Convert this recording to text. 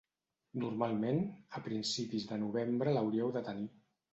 Normalment a principis de novembre l'hauríeu de tenir.